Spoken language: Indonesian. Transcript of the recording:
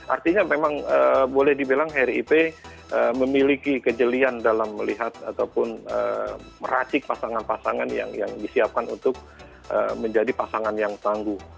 artinya memang boleh dibilang harry ip memiliki kejelian dalam melihat ataupun meracik pasangan pasangan yang disiapkan untuk menjadi pasangan yang tangguh